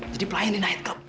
jadi pelayan di nightclub